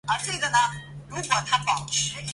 四川粘体虫为粘体科粘体虫属的动物。